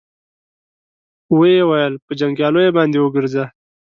ويې ويل: په جنګياليو باندې وګرځه.